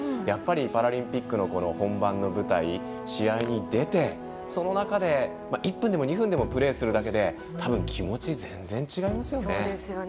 パラリンピックの本番の舞台試合に出て、その中で１分でも２分でもプレーするだけで気持ち全然違いますよね。